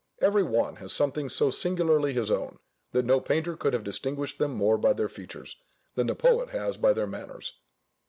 Every one has something so singularly his own, that no painter could have distinguished them more by their features, than the poet has by their manners.